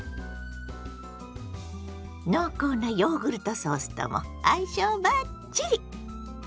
濃厚なヨーグルトソースとも相性バッチリ！